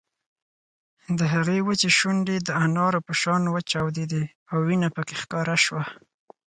د هغې وچې شونډې د انارو په شان وچاودېدې او وينه پکې ښکاره شوه